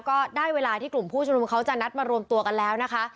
ก็ได้เวลาที่กลุ่มผู้ชุมนุมเขาจะนัดมารวมตัวกันแล้วนะคะ